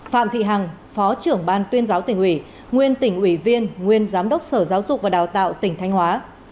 phạm thị hằng phó trưởng ban tuyên giáo tỉnh ủy nguyên tỉnh ủy viên nguyên giám đốc sở giáo dục và đào tạo tỉnh thanh hóa